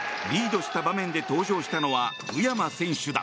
リードした場面で登場したのは宇山選手だ。